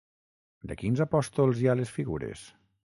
De quins apòstols hi ha les figures?